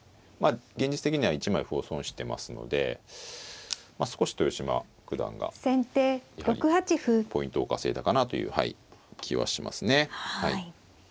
まあ現実的には１枚歩を損してますので少し豊島九段がやはりポイントを稼いだかなという気はしますね。